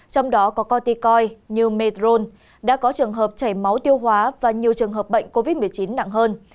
trong đó có corticoin như metrone đã có trường hợp chảy máu tiêu hóa và nhiều trường hợp bệnh covid một mươi chín nặng hơn